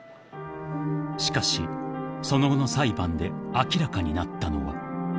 ［しかしその後の裁判で明らかになったのは］